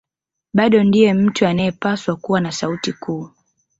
Bado ndiye mtu anayepaswa kuwa na sauti kuu